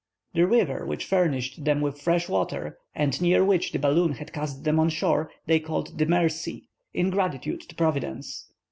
The river which furnished them with fresh water, and near which the balloon had cast them on shore, they called the Mercy, in gratitude to Providence.